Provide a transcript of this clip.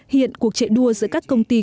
hiện cuộc chạy đua giữa các công ty